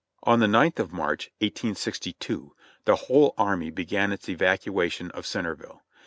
On the ninth of March, 1862, the whole army began its evacuation of Centerville.